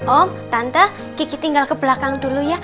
oh tante kiki tinggal ke belakang dulu ya